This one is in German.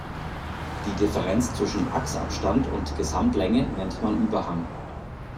Die Differenz zwischen Achsabstand und Gesamtlänge nennt man Überhang.